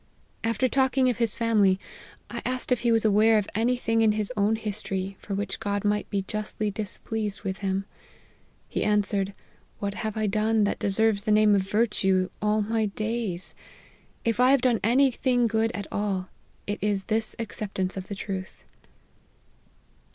After talking of his family, I asked if he was aware of any thing in his own history for which God might be justly displeased with him. He answered, ' What have I done, that de serves the name of virtue, all my days ? If I have done any thing good at all, it is this acceptance of the truth.'"